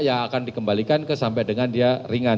ya akan dikembalikan ke sampai dengan dia ringan